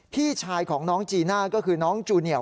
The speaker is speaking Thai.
พี่ชายของน้องจีน่าก็คือน้องจูเนียล